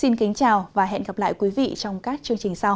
xin kính chào và hẹn gặp lại quý vị trong các chương trình sau